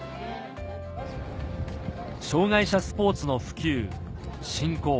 障がい者スポーツの普及振興